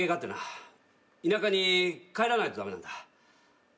田舎に帰らないと駄目なんだ。